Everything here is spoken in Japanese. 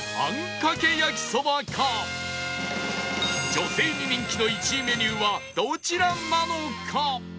女性に人気の１位メニューはどちらなのか？